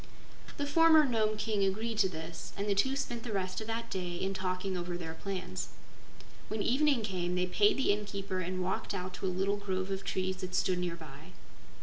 The former Nome King agreed to this, and the two spent the rest of that day in talking over their plans. When evening came they paid the inn keeper and walked out to a little grove of trees that stood near by.